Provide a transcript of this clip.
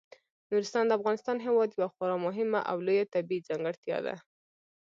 نورستان د افغانستان هیواد یوه خورا مهمه او لویه طبیعي ځانګړتیا ده.